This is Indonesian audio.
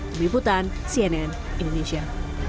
beriputan cnn indonesia